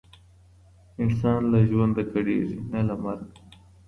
انسان له ژونده کړیږي نه له مرګه.